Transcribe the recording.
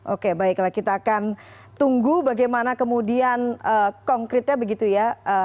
oke baiklah kita akan tunggu bagaimana kemudian konkretnya begitu ya